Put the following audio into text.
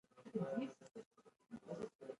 ازادي راډیو د عدالت په اړه د ننګونو یادونه کړې.